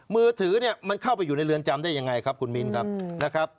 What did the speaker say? มือถือมันเข้าไปอยู่ในเรือนจำได้อย่างไรครับคุณมินครับ